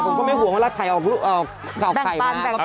ผมก็ไม่ห่วงว่าถ่ายออกไก่มา